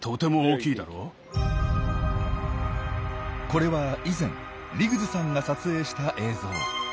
これは以前リグズさんが撮影した映像。